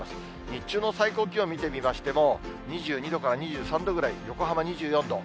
日中の最高気温を見てみましても、２２度から２３度ぐらい、横浜２４度。